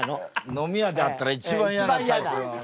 飲み屋で会ったら一番嫌なタイプの。